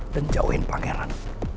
dan jauhin pangeran